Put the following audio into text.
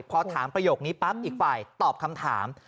พอถามประโยคนี้ปั๊บอีกฝ่ายตอบคำถาม